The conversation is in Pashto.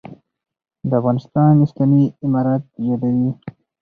«د افغانستان اسلامي امارت» یادوي.